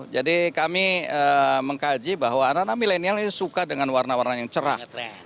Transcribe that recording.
jadi kami mengkaji bahwa anak anak milenial ini suka dengan warna warna yang cerah